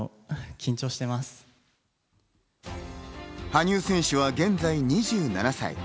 羽生選手は現在２７歳。